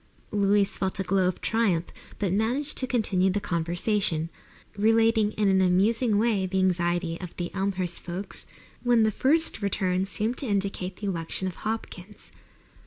Louise felt a glow of triumph, but managed to continue the conversation, relating in an amusing way the anxiety of the Elmhurst folks when the first returns seemed to indicate the election of Hopkins.